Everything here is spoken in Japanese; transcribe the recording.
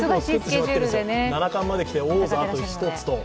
七冠まできて、王座、あと１つと。